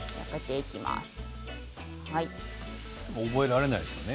いつも覚えられないんですよね。